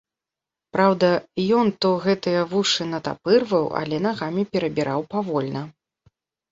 Праўда, ён то гэтыя вушы натапырваў, але нагамі перабіраў павольна.